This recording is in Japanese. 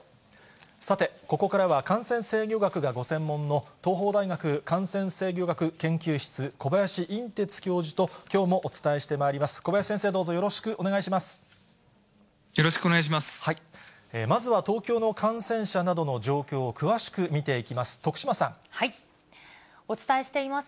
さて、ここからは感染制御学がご専門の、東邦大学感染制御学研究室、小林寅てつ教授と、きょうもお伝えしてまいります。